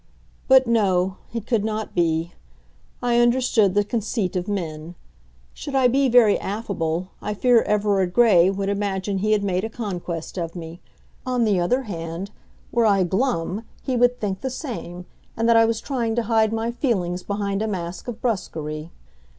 But no; it could not be. I understood the conceit of men. Should I be very affable, I feared Everard Grey would imagine he had made a conquest of me. On the other hand, were I glum he would think the same, and that I was trying to hide my feelings behind a mask of brusquerie.